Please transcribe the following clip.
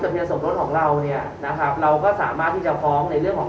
เบียสมรสของเราเนี่ยนะครับเราก็สามารถที่จะฟ้องในเรื่องของ